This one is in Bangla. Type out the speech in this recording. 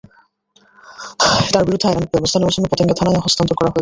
তাঁর বিরুদ্ধে আইনানুগ ব্যবস্থা নেওয়ার জন্য পতেঙ্গা থানায় হস্তান্তর করা হয়েছে।